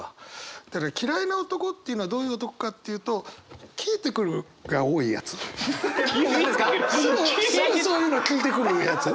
ただ嫌いな男っていうのはどういう男かっていうとすぐそういうの聞いてくるやつ。